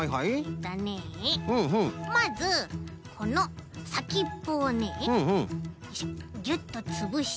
まずこのさきっぽをねよいしょギュッとつぶして。